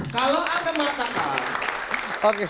kalau anda mengatakan